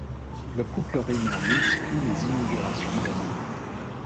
Le couple régnant multiplie les inaugurations d'abbayes.